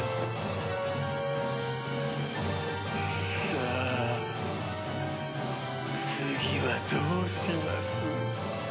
さあ次はどうします？